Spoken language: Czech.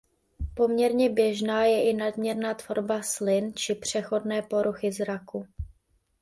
Poměrné běžná je i nadměrná tvorba slin či přechodné poruchy zraku.